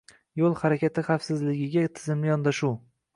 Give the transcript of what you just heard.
Yo‘l harakati xavfsizligiga tizimli yondashuv